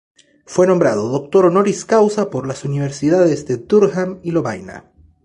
Fue nombrado doctor honoris causa por las universidades de Durham y Lovaina.